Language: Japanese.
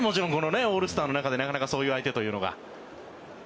オールスターの中でなかなかそういう相手というのが。